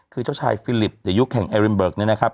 คือเจ้าชายฟิลิปเดี๋ยวยุคแห่งเอรินเบิร์กนะครับ